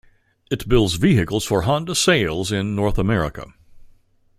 It builds vehicles for Honda sales in North America.